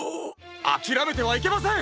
あきらめてはいけません！